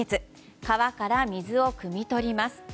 川から水をくみ取ります。